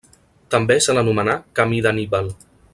També se l'anomenà Camí d'Anníbal.